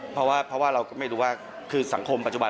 เพราะว่าเราก็ไม่รู้ว่าคือสังคมปัจจุบัน